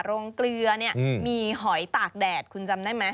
โรงเกลือเนี่ยมีหอยตากแดดคุณจำได้ไหม